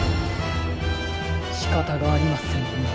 しかたがありませんね。